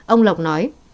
ông lộc nói